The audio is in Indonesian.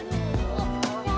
tidak tidak tidak